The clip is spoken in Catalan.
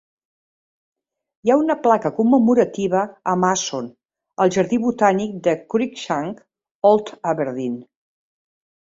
Hi ha una placa commemorativa a Masson al jardí botànic de Cruickshank, Old Aberdeen.